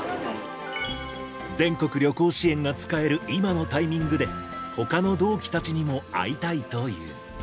全国旅行支援が使える今のタイミングで、ほかの同期たちにも会いたいという。